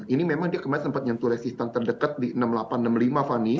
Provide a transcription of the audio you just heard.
ini memang dia kemarin sempat nyentuh resistan terdekat di enam puluh delapan enam puluh lima fani